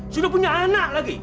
sudah punya anak lagi